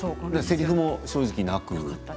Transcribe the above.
せりふも正直なく。